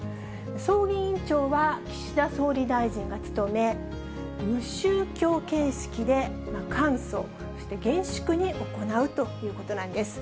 葬儀委員長は岸田総理大臣が務め、無宗教形式で簡素、そして厳粛に行うということなんです。